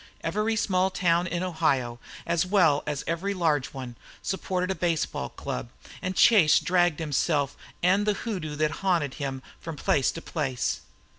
Every small town in Ohio, as well as every large one, supported a baseball club, and Chase dragged himself and the hoodoo that haunted him from place to place.